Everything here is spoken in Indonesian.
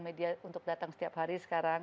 media untuk datang setiap hari sekarang